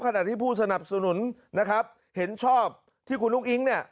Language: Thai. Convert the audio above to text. ขนาดที่ผู้สนับสนุนนะครับเห็นชอบที่คุณลุกอิ๊ง